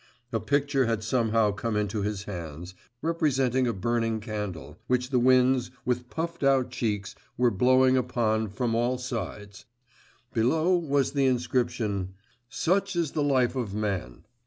A picture had somehow come into his hands, representing a burning candle, which the winds, with puffed out cheeks, were blowing upon from all sides; below was the inscription: 'Such is the life of man.